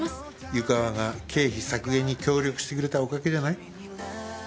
湯川が経費削減に協力してくれたおかげじゃない？